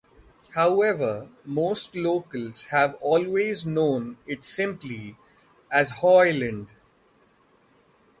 However, most locals have always known it simply as Hoyland.